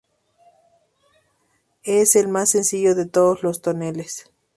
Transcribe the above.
Es el más sencillo de todos los toneles.